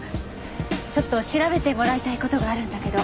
ちょっと調べてもらいたい事があるんだけど。